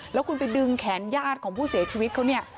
แล้วคุณไปดึงแขนญาติของผู้เสียชีวิตเขาเนี่ย